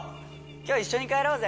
今日一緒に帰ろうぜ。